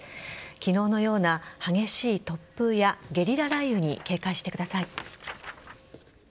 昨日のような激しい突風やゲリラ雷雨に警戒してください。